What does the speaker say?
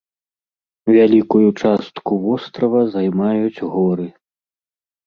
Вялікую частку вострава займаюць горы.